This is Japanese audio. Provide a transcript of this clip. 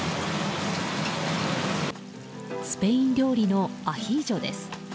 スペイン料理のアヒージョです。